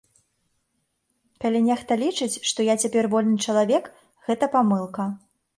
Калі нехта лічыць, што я цяпер вольны чалавек, гэта памылка.